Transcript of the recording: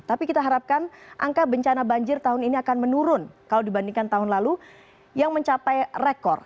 tapi kita harapkan angka bencana banjir tahun ini akan menurun kalau dibandingkan tahun lalu yang mencapai rekor